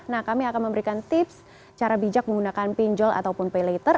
nah kami akan memberikan tips cara bijak menggunakan pinjol ataupun pay later